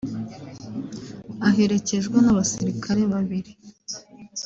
aherekejwe n’abasirikare babiri